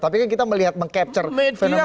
tapi kan kita melihat meng capture fenomena